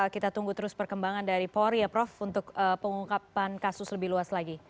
kita tunggu terus perkembangan dari polri ya prof untuk pengungkapan kasus lebih luas lagi